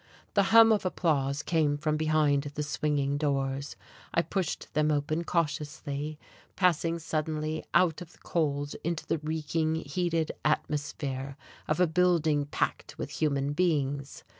The hum of applause came from behind the swinging doors. I pushed them open cautiously, passing suddenly out of the cold into the reeking, heated atmosphere of a building packed with human beings.